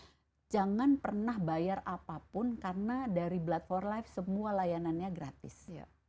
kita jangan pernah bayar apapun karena dari blood for life semua layanannya gratis